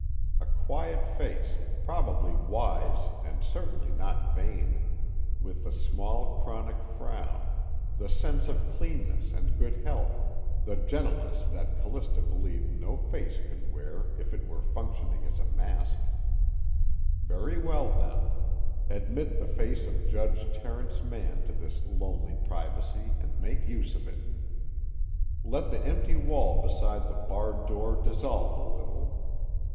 A quiet face, probably wise and certainly not vain, with the small chronic frown, the sense of cleanness and good health, the gentleness that Callista believed no face could wear if it were functioning as a mask very well then: admit the face of Judge Terence Mann to this lonely privacy and make use of it. Let the empty wall beside the barred door dissolve a little.